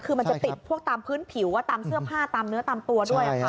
คือมันจะติดพวกตามพื้นผิวตามเสื้อผ้าตามเนื้อตามตัวด้วยค่ะ